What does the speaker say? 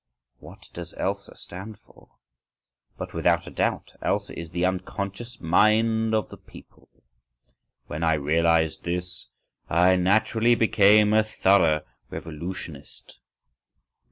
—What does Elsa stand for? But without a doubt, Elsa is "the unconscious mind of the people" (—"when I realised this, I naturally became a thorough revolutionist"—).